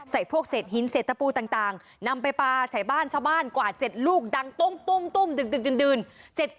ใส่พวกเศษหินเศษตะปูต่างนำไปปลาใช้บ้านชาวบ้านกว่า๗ลูกดังตุ้มตุ้มตุ้มดึงดึงดึงดึง